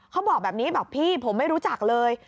เขาบอกแบบนี้บอกพี่ผมไม่รู้จักเลย